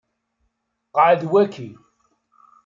Qɛed waki.